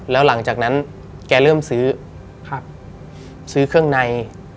แล้วหลังจากนั้นแกเริ่มซื้อซื้อเครื่องใน